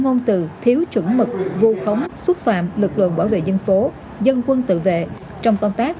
ngôn từ thiếu chuẩn mực vô khống xúc phạm lực lượng bảo vệ dân phố dân quân tự vệ trong công tác